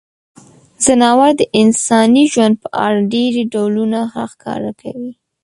ځناور د انساني ژوند په اړه ډیری ډولونه راښکاره کوي.